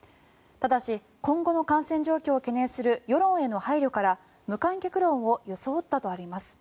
ただし今後の感染状況を懸念する世論への配慮から無観客論を装ったとあります。